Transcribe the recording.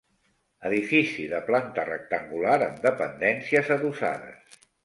Edifici de planta rectangular amb dependències adossades.